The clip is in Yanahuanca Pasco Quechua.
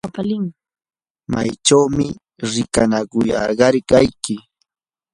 ¿maychawmi riqinakuyarqayki?